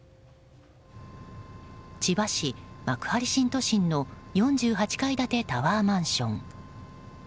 千葉市幕張新都心の４８階建てタワーマンション。